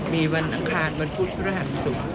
มีวันอังคารวันพุธพระอาหารสุข